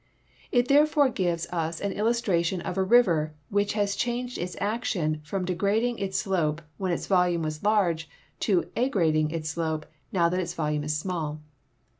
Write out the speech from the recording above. It therefore gives us au illustration of a river which has changed its action from degrading its slope when its volume was large to aggrading its slope now that its volume is small.